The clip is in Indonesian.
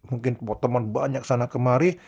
mungkin teman banyak sana kemari